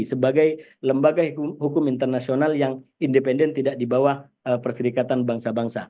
sebagai lembaga hukum internasional yang independen tidak di bawah perserikatan bangsa bangsa